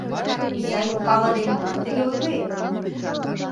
Изай, палыде, молан тыге ойлет?